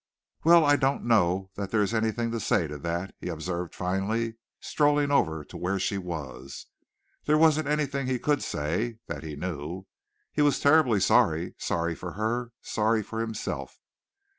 "Well, I don't know that there is anything to say to that," he observed finally, strolling over to where she was. There wasn't anything that he could say that he knew. He was terribly sorry sorry for her, sorry for himself.